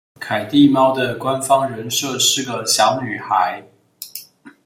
凱蒂貓的官方人設是個小女孩